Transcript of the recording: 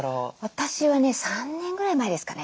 私はね３年ぐらい前ですかね。